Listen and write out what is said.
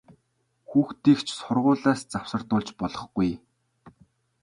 Хүүхдийг ч сургуулиас завсардуулж болохгүй!